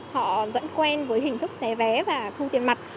họ vẫn quen với hình thức xe vé và thông tiền mặt